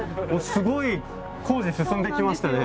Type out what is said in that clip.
すごい工事進んできましたね。